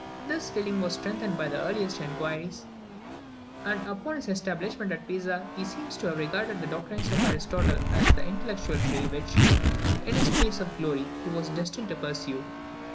This feeling was strengthened by his earliest inquiries; and upon his establishment at Pisa he seems to have regarded the doctrines of Aristotle as the intellectual prey which, in his chace of glory, he was destined to pursue.